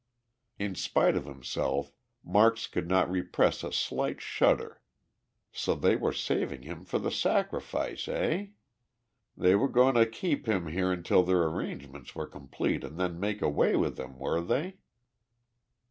In spite of himself Marks could not repress a slight shudder. So they were saving him for the sacrifice, eh? They were going to keep him here until their arrangements were complete and then make away with him, were they?